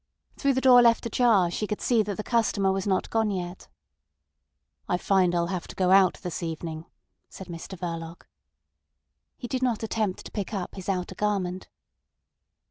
Through the door left ajar she could see that the customer was not gone yet. "I find I'll have to go out this evening," said Mr Verloc. He did not attempt to pick up his outer garment.